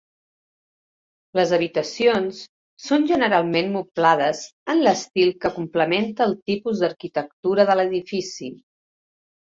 Les habitacions són generalment moblades en l'estil que complementa el tipus d'arquitectura de l'edifici.